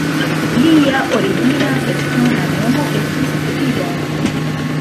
Lia origina persona nomo estis Tibor.